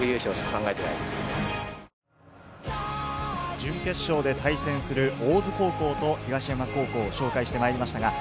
準決勝で対戦する大津高校と東山高校を紹介してまいりました。